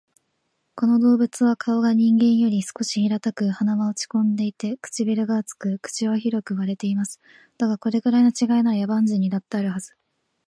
この動物は顔が人間より少し平たく、鼻は落ち込んでいて、唇が厚く、口は広く割れています。だが、これくらいの違いなら、野蛮人にだってあるはず